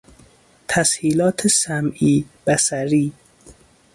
تسهیلات سمعی ـ بصری